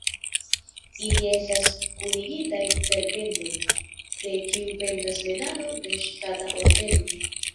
Ili estas kunigitaj per bendo, de kiu pendas medalo de ŝtata ordeno.